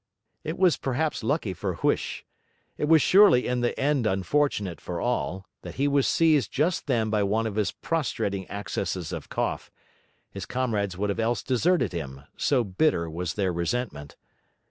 It was perhaps lucky for Huish it was surely in the end unfortunate for all that he was seized just then by one of his prostrating accesses of cough; his comrades would have else deserted him, so bitter was their resentment.